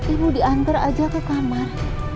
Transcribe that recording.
ibu diantar aja ke kamar